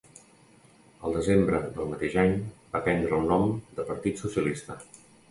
El desembre del mateix any va prendre el nom de Partit Socialista.